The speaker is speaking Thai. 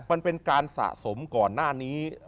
มันเป็นการสะสมก่อนหน้านี้